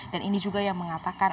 dan ini juga yang mengatakan